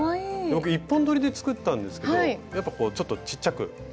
僕１本どりで作ったんですけどやっぱこうちょっとちっちゃく出来上がりました。